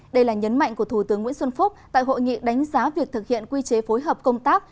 đây là nhấn mạnh của thủ tướng nguyễn xuân phúc tại hội nghị đánh giá việc thực hiện quy chế phối hợp công tác